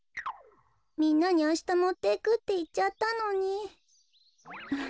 みんなにあしたもっていくっていっちゃったのに。